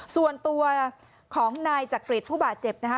ส่วนตัวของนายจักริตผู้บาดเจ็บนะคะ